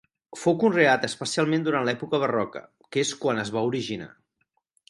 Fou conreat especialment durant l'època barroca, que és quan es va originar.